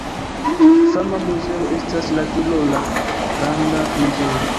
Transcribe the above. Fama muzeo estas la Tirola Landa Muzeo.